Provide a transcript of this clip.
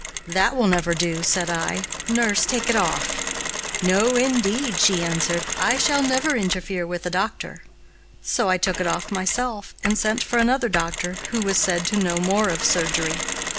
"That will never do," said I; "nurse, take it off." "No, indeed," she answered, "I shall never interfere with the doctor." So I took it off myself, and sent for another doctor, who was said to know more of surgery.